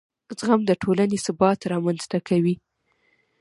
زغم د ټولنې ثبات رامنځته کوي.